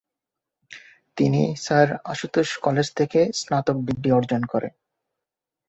তিনি sir Ashutosh college থেকে স্নাতক ডিগ্রি অর্জন করেন।